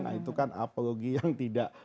nah itu kan apologi yang tidak